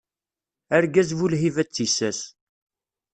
Argaz bu lhiba d tissas.